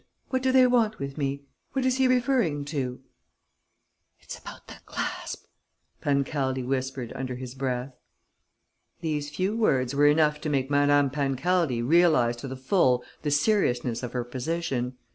What do they want with me?... What is he referring to?" "It's about the clasp!" Pancaldi whispered, under his breath. These few words were enough to make Madame Pancaldi realize to the full the seriousness of her position.